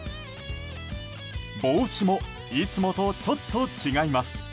帽子もいつもとちょっと違います。